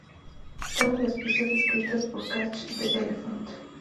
Todas las pistas escritas por Cage the Elephant.